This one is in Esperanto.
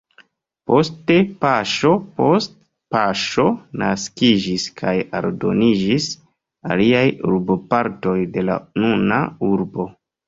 Poste paŝo post paŝo naskiĝis kaj aldoniĝis aliaj urbopartoj de la nuna urbo.